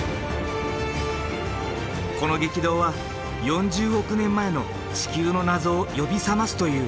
この激動は４０億年前の地球の謎を呼び覚ますという。